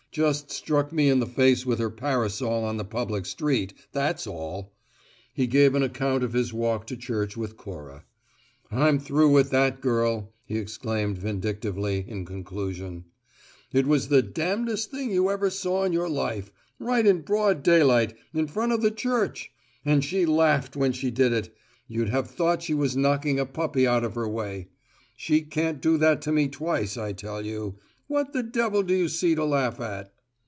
Just struck me in the face with her parasol on the public street, that's all!" He gave an account of his walk to church with Cora. "I'm through with that girl!" he exclaimed vindictively, in conclusion. "It was the damnedest thing you ever saw in your life: right in broad daylight, in front of the church. And she laughed when she did it; you'd have thought she was knocking a puppy out of her way. She can't do that to me twice, I tell you. What the devil do you see to laugh at?"